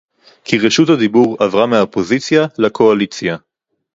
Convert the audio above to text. כי רשות הדיבור עברה מהאופוזיציה לקואליציה